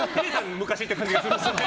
昔って感じがするもんね。